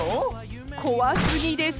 怖すぎです。